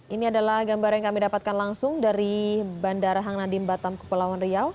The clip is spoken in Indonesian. ini adalah gambar yang kami dapatkan langsung dari bandara hang nadim batam kepulauan riau